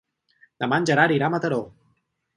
Demà en Gerard irà a Mataró.